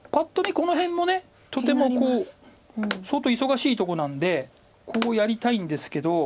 この辺もとても相当忙しいとこなんでこうやりたいんですけど。